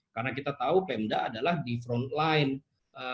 karena kita tahu pemda adalah di front line